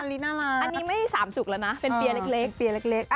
อันนี้ไม่สามสุกแล้วนะเป็นเปียร์เล็ก